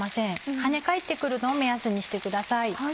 跳ね返って来るのを目安にしてください。